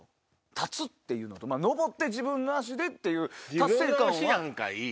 立つっていうのと登って自分の足でっていう。